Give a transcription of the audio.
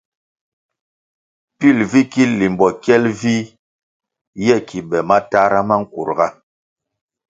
Pil vi ki limbo kyel vih ye ki be matahra ma nkurga.